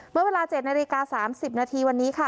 เมื่อเวลา๗นาฬิกา๓๐นาทีวันนี้ค่ะ